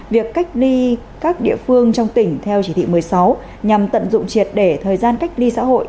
đi các địa phương trong tỉnh theo chỉ thị một mươi sáu nhằm tận dụng triệt để thời gian cách ly xã hội